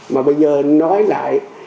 mà bây giờ nói lại